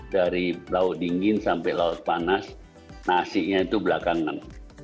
dari laut dingin sampai laut panas nasinya itu belakangan